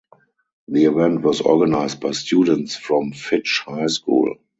The event was organized by students from Fitch High School.